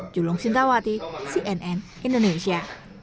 julung sintawati cnn indonesia